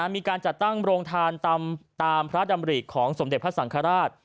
มีการจัดตั้งโรงทานตามพระดำริของสมเด็จพระสังฆราช